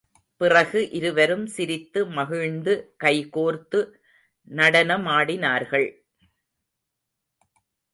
பிறகு இருவரும் சிரித்து மகிழ்ந்து, கை கோர்த்து நடனமாடினார்கள்.